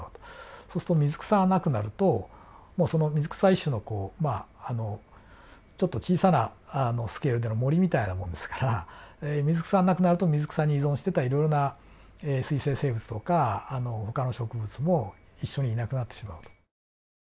そうすると水草がなくなるともう水草は一種のこうまああのちょっと小さなスケールでの森みたいなもんですから水草がなくなると水草に依存してたいろいろな水生生物とかほかの植物も一緒にいなくなってしまうと。